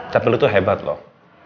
tapi lu tuh hebat loh